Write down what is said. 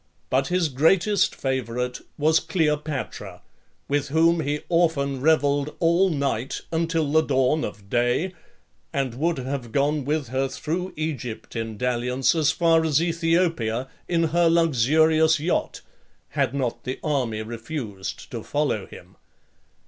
But his greatest favourite was Cleopatra, with whom he often revelled all night until the dawn of day, and would have gone with her through Egypt in dalliance, as far as Aethiopia, in her luxurious yacht, had not the army refused to follow him.